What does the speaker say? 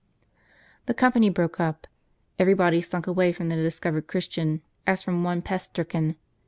The company broke up ; every body slunk away from the discovered Christian, as from one pest stricken.